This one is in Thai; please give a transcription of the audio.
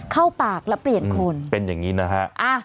เข้าปากแล้วเปลี่ยนคนเป็นอย่างนี้นะฮะ